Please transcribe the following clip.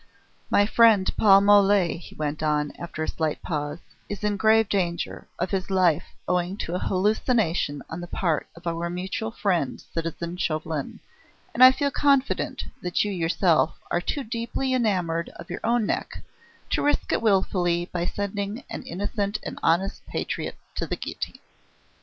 My friend Paul Mole," he went on, after a slight pause, "is in grave danger of his life owing to a hallucination on the part of our mutual friend citizen Chauvelin; and I feel confident that you yourself are too deeply enamoured of your own neck to risk it wilfully by sending an innocent and honest patriot to the guillotine."